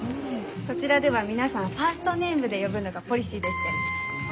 こちらでは皆さんをファーストネームで呼ぶのがポリシーでして。